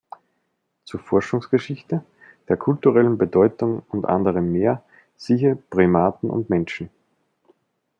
Zur Forschungsgeschichte, der kulturellen Bedeutung und anderem mehr siehe Primaten und Menschen.